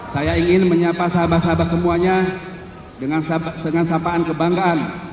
saya ingin menyapa sahabat sahabat semuanya dengan sapaan kebanggaan